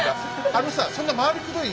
あのさそんな回りくどい